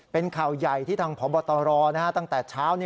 เป็นข่าวใหญ่ที่ทางพบตรตั้งแต่เช้า